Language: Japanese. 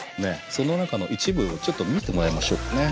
その中の一部をちょっと見てもらいましょうかね。